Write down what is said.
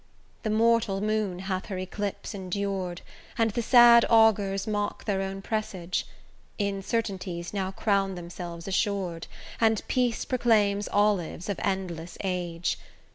The mortal moon hath her eclipse endur'd, And the sad augurs mock their own presage; Incertainties now crown themselves assur'd, And peace proclaims olives of endless age.